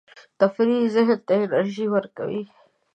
تفریح ذهن ته انرژي ورکوي.